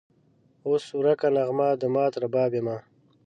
اوس ورکه نغمه د مات رباب یمه